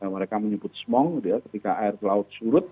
mereka menyebut smong ketika air laut surut